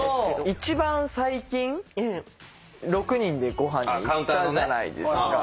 一番最近６人でご飯に行ったじゃないですか。